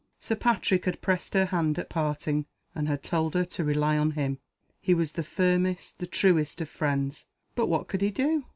Sir Patrick had pressed her hand at parting, and had told her to rely on him. He was the firmest, the truest of friends. But what could he do?